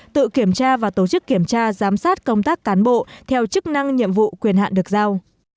tự kiểm tra và tổ chức kiểm tra giám sát công tác cán bộ theo chức năng nhiệm vụ quyền hạn được giao